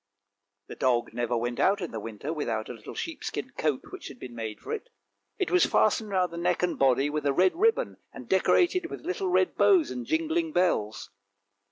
" The dog never went out in the winter without a little sheep skin coat which had been made for it. It was fastened round the neck and body with a red ribbon, and decorated with little red bows and jingling bells.